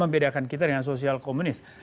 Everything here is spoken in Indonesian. membedakan kita dengan sosial komunis